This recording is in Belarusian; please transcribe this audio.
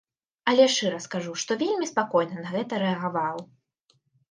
Але шчыра скажу, што вельмі спакойна на гэта рэагаваў.